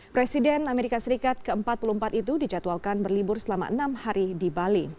presiden amerika serikat ke empat puluh empat itu dijadwalkan berlibur selama enam hari di bali